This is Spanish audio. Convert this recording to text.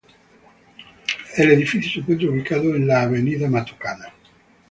El edificio se encuentra ubicado en Avenida Matucana.